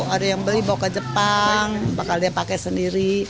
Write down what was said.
ada yang beli bawa ke jepang bakal dia pakai sendiri